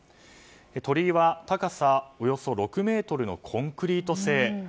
鳥居は高さおよそ６ｍのコンクリート製。